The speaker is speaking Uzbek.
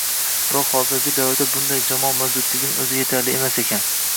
Biroq hozirgi davrda bunday jamoa mavjudligining o‘zi yetarli emas ekan.